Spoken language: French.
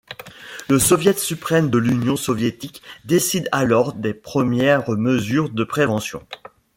Le soviet suprême de l'Union soviétique décide alors des premières mesures de prévention.